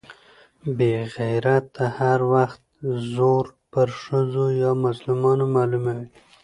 بې غيرته هر وخت زور پر ښځو يا مظلومانو معلوموي.